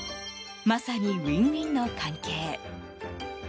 まさにウィンウィンの関係。